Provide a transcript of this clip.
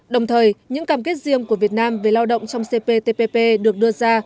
đồng thời những cam kết riêng của việt nam về lao động trong cptpp được đưa ra